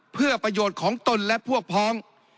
เพื่อประโยชน์ของตนและพวกพ้อง